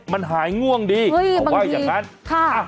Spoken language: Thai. มันหายง่วงดีเอาไว้อย่างนั้นค่ะบางทีค่ะ